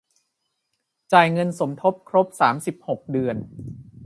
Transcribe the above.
จ่ายเงินสมทบครบ สามสิบหก เดือน